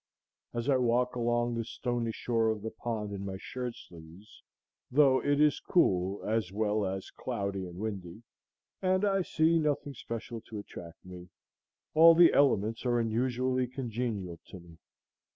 As I walk along the stony shore of the pond in my shirt sleeves, though it is cool as well as cloudy and windy, and I see nothing special to attract me, all the elements are unusually congenial to me.